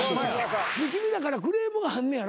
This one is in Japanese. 君らからクレームがあんねやろ？